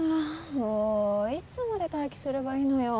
もういつまで待機すればいいのよ